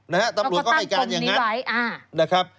แล้วก็ตั้งกลมนี้ไว้